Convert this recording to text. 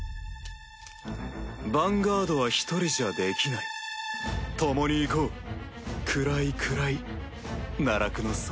ヴァンガードは１人じゃできない共に行こう暗い奈落の底へ。